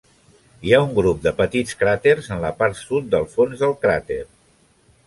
Hi ha un grup de petits cràters en la part sud del fons del cràter.